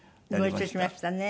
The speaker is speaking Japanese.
ご一緒しましたね。